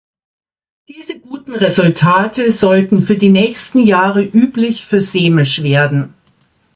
Diese guten Resultate sollten für die nächsten Jahre üblich für Sehmisch werden.